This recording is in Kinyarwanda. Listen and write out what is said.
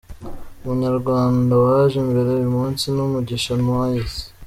Umunyarwanda waje imbere uyu munsi ni Mugisha Moise.